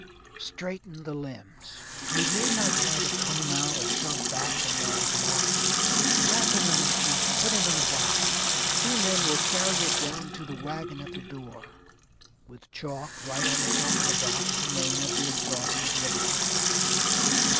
Straighten the limbs. You need not try to comb out or shove back the matted locks. Wrap him in a sheet. Put him in a box. Two men will carry it down to the wagon at the door. With chalk, write on the top of the box the name of the exhausted libertine.